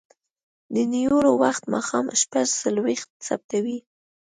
د نیولو وخت ماښام شپږ څلویښت ثبتوي.